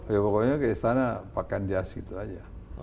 ya pokoknya ke istana pak kandias itu saja